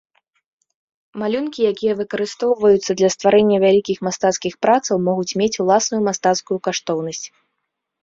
Малюнкі, якія выкарыстоўваюцца для стварэння вялікіх мастацкіх працаў, могуць мець уласную мастацкую каштоўнасць.